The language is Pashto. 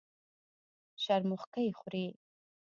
شرموښکۍ خوري.